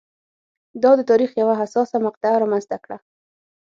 دا د تاریخ یوه حساسه مقطعه رامنځته کړه.